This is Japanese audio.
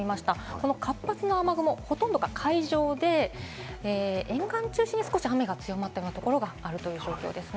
この活発な雨雲、ほとんどが海上で沿岸を中心に雨が少し強まっているところがあるということです。